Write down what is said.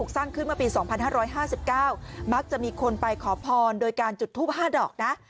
สร้างขึ้นเมื่อปี๒๕๕๙มักจะมีคนไปขอพรโดยการจุดทูป๕ดอกนะ